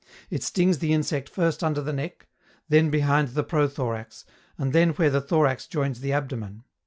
It stings the insect first under the neck, then behind the prothorax, and then where the thorax joins the abdomen.